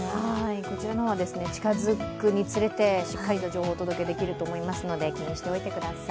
こちらは近づくにつれて、しっかりと情報をお届けできると思いますので、気にしておいてください。